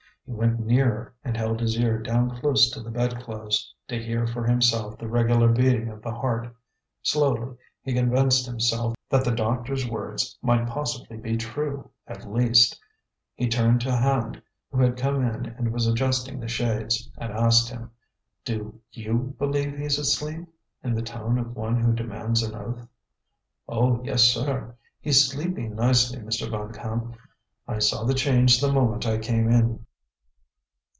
He went nearer, and held his ear down close to the bedclothes, to hear for himself the regular beating of the heart. Slowly he convinced himself that the doctor's words might possibly be true, at least. He turned to Hand, who had come in and was adjusting the shades, and asked him: "Do you believe he's asleep?" in the tone of one who demands an oath. "Oh, yes, sir; he's sleeping nicely, Mr. Van Camp. I saw the change the moment I came in."